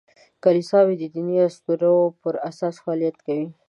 کلیساوې د دیني اسطورو پر اساس فعالیت کوي.